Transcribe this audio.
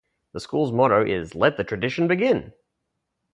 The school's motto is Let The Tradition Begin.